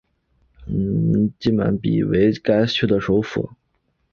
曼比季为该区的首府。